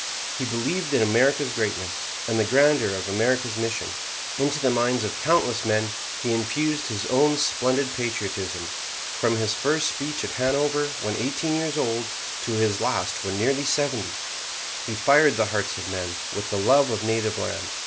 He believed in America's greatness and the grandeur of America's mission. Into the minds of countless men he infused his own splendid patriotism. From his first speech at Hanover when eighteen years old, to his last when nearly seventy, he fired the hearts of men with the love of native land.